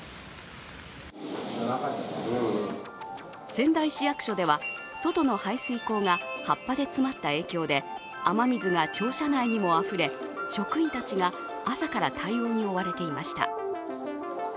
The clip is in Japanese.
仙台市役所では、外の排水溝が葉っぱで詰まった影響で雨水が庁舎内にもあふれ職員たちが朝から対応に追われていました。